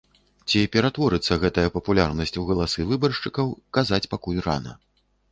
Ці ператворыцца гэтая папулярнасць у галасы выбаршчыкаў казаць пакуль рана.